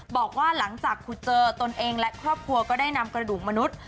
บอกว่าหลังจากขุดเจอตนเองและครอบครัวก็ได้นำกระดูกมนุษย์